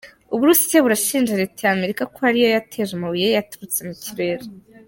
U Burusiya burashinja Leta ya Amerika kuba ariyo yateje amabuye yaturutse mu kirere